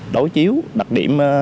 đối chiếu đặc điểm